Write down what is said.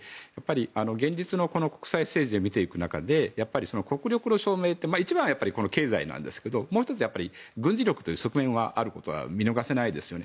現実の国際政治を見ていく中で国力の証明って一番は経済なんですけれどももう１つは軍事力という側面があることは見逃せないですね。